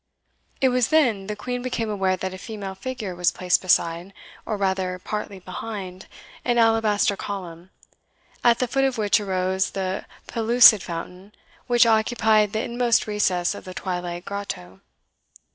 It was then the Queen became aware that a female figure was placed beside, or rather partly behind, an alabaster column, at the foot of which arose the pellucid fountain which occupied the inmost recess of the twilight grotto.